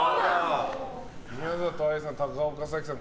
宮里藍さん、高岡早紀さん